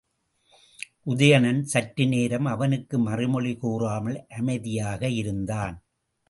உதயணன் சற்று நேரம் அவனுக்கு மறுமொழி கூறாமல் அமைதியாக இருந்தான்.